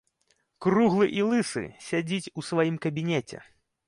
Круглы і лысы сядзіць у сваім кабінеце.